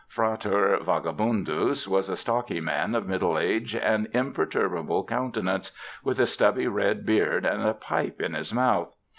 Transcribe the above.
Frater Vagabundus was a stocky man of middle age and imperturbable coun tenance, with a stubby red beard and a pipe in his mouth.